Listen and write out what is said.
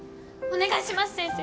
お願いします先生！